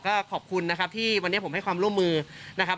ก็ขอบคุณนะครับที่วันนี้ผมให้ความร่วมมือนะครับ